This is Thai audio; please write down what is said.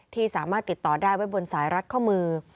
ที่สามารถติดต่อได้ไว้บนสายรัดข้อมือ